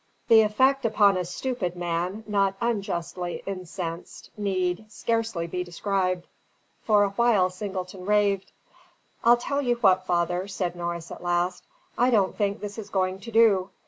The effect upon a stupid man not unjustly incensed need scarcely be described. For a while Singleton raved. "I'll tell you what, father," said Norris at last, "I don't think this is going to do.